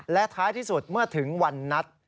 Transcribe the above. และท้ายที่สุดเมื่อถึงวันนัด